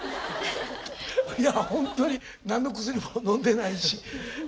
いやホントに何の薬ものんでないし。